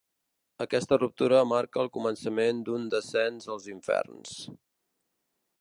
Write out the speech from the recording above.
Aquesta ruptura marca el començament d'un descens als inferns.